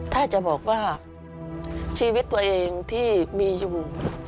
ถ้าจะบอกว่าชีวิตตัวเองที่มีอยู่